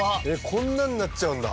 こんなになっちゃうんだ。